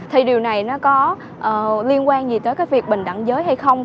thì điều này nó có liên quan gì tới cái việc bình đẳng giới hay không